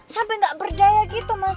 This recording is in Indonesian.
sampai gak berdaya gitu mas